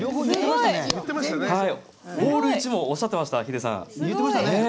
オール１もおっしゃっていました、ヒデさん。